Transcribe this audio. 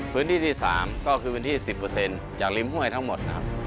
พื้นที่ที่๓ก็คือพื้นที่๑๐จากริมห้วยทั้งหมดนะครับ